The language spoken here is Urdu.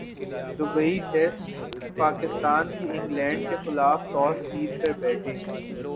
دبئی ٹیسٹپاکستان کی انگلینڈ کیخلاف ٹاس جیت کر بیٹنگ